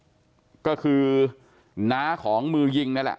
จนกระทั่งหลานชายที่ชื่อสิทธิชัยมั่นคงอายุ๒๙เนี่ยรู้ว่าแม่กลับบ้าน